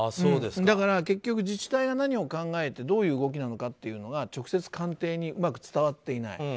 だから結局、自治体が何を考えてどういう動きなのかというのが直接官邸にうまく伝わっていない。